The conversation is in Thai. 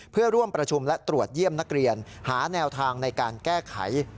เพื่อร่วมประชุมและตรวจเยี่ยมนักเรียนหาแนวทางในการแก้ไข